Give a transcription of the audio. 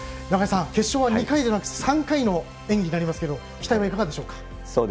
中井さん、決勝は２回ではなく３回の演技になりますけど期待はいかがでしょうか。